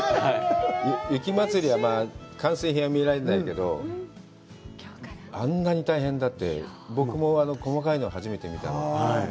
雪まつりは完成品は見られないけど、あんなに大変だって、僕も細かいの初めて見たの。